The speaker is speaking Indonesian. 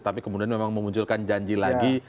tapi kemudian memang memunculkan janji lagi